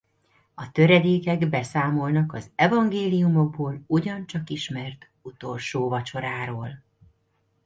A töredékek beszámolnak az evangéliumokból ugyancsak ismert utolsó vacsoráról.